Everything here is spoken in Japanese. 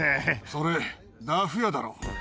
それ、ダフ屋だろ？